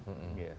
aduh kor skejong